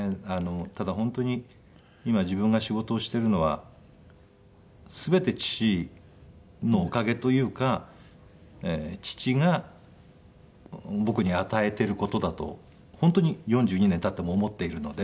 ただ本当に今自分が仕事をしているのは全て父のおかげというか父が僕に与えている事だと本当に４２年経っても思っているので。